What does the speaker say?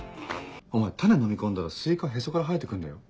お前種のみ込んだらスイカへそから生えて来んだよ。